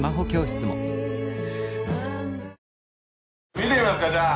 見てみますかじゃあ。